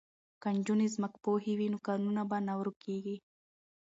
که نجونې ځمکپوهې وي نو کانونه به نه ورکیږي.